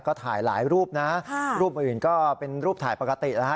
ก็ถ่ายหลายรูปนะรูปอื่นก็เป็นรูปถ่ายปกติแล้วฮ